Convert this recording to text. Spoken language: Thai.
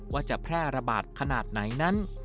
ว่าจะแพร่ระบาดขนาดไหนนั้น